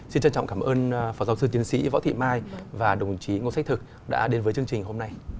xin trân trọng cảm ơn phó giáo sư tiến sĩ võ thị mai và đồng chí ngô xác thực đã đến với chương trình hôm nay